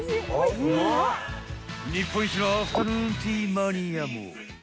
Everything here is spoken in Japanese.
日本一のアフタヌーンティーマニアも。